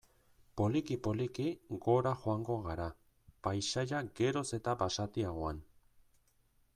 Poliki-poliki gora joango gara, paisaia geroz eta basatiagoan.